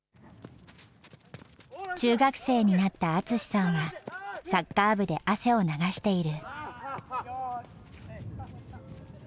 中学生になった淳さんは、サッカー部で汗を流している。